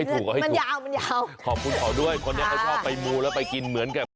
เอาให้ถูกเอาให้ถูกขอบคุณขอด้วยคนนี้เขาชอบไปหมูแล้วไปกินเหมือนกับ